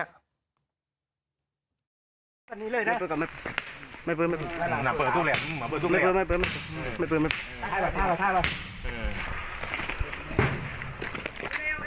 สวัสดีครับคุณผู้ชาย